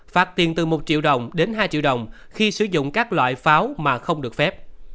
phạt tiền từ một triệu đồng đến hai triệu đồng khi sử dụng các loại pháo mà không được phép